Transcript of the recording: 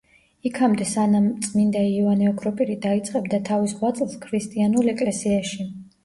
იქამდე სანამ წმინდა იოანე ოქროპირი დაიწყება თავის ღვაწლს ქრისტიანულ ეკლესიაში.